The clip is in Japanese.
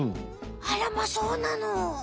あらまそうなの！？